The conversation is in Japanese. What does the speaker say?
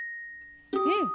うん。